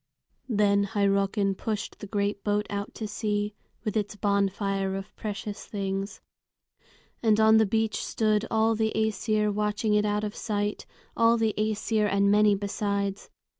Then Hyrrockin pushed the great boat out to sea, with its bonfire of precious things. And on the beach stood all the Æsir watching it out of sight, all the Æsir and many besides.